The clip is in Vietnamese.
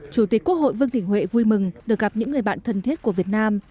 chủ tịch quốc hội vương đình huệ vui mừng được gặp những người bạn thân thiết của việt nam